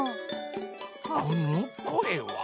このこえは？